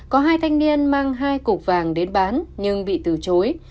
có hai thanh niên mang hai cục vàng đến bán nhưng bị từ chối